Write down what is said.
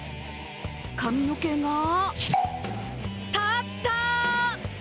髪の毛が立った！